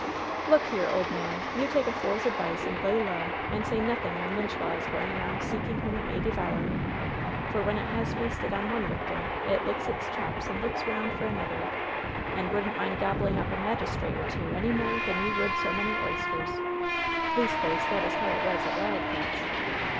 "Look here, ole man ! You take a fool's advice and lay low and say nothing when lynch law is going round seeking whom it may devour ! For when it has feasted on one wictim it licks its chops and looks round for an other, and wouldn't mind gobbling up a magistrate or two any more than you would so many oysters ! Least ways that is how it was at Wild Cats'.